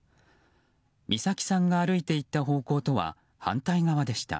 美咲さんが歩いて行った方向とは反対側でした。